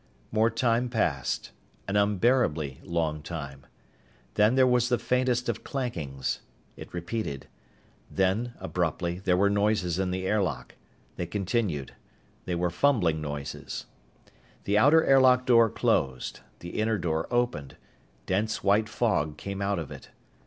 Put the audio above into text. More time passed. An unbearably long time. Then there was the faintest of clankings. It repeated. Then, abruptly, there were noises in the airlock. They continued. They were fumbling noises. The outer airlock door closed. The inner door opened. Dense white fog came out of it.